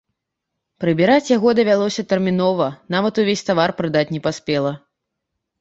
Прыбіраць яго давялося тэрмінова, нават увесь тавар прадаць не паспела.